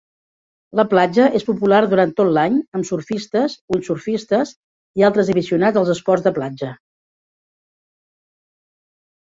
La platja és popular durant tot l'any amb surfistes, windsurfistes, i altres aficionats dels esports de platja.